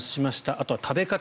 あとは食べ方。